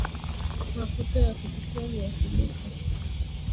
Mafuta ya kupikia viazi lishe